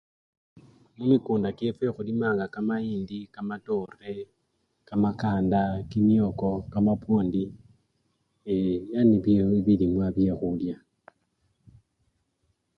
Mumikunda kyefwe khulimanga kamayindi, kamatore, kamakanda kimyoko, kamapwondi yee ebyo nibyo bilimwa byekhulya.